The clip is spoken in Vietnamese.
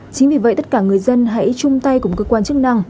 chính vì vậy tất cả người dân hãy chung tay cùng cơ quan chức năng